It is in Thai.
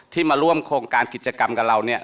มาร่วมโครงการกิจกรรมกับเราเนี่ย